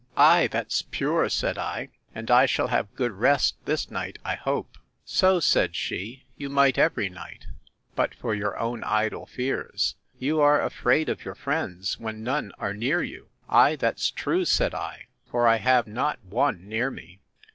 Ay, that's pure, said I; and I shall have good rest this night, I hope. So, said she, you might every night, but for your own idle fears. You are afraid of your friends, when none are near you. Ay, that's true, said I; for I have not one near me.